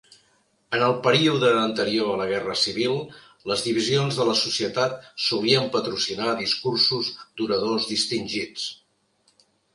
En el període anterior a la Guerra Civil, les divisions de la societat solien patrocinar discursos d'oradors distingits.